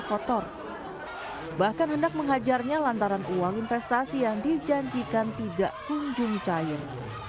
kotor bahkan hendak menghajarnya lantaran uang investasi yang dijanjikan tidak kunjung cair